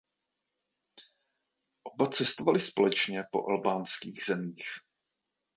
Oba cestovali společně po albánských zemích.